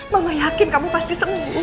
mama yakin kamu pasti sembuh